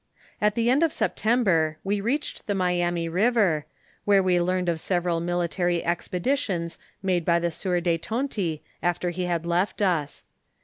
At the end of September, we reached the Miami river, where we learned of several military expeditions made by the sieur de Tonty after he had left us.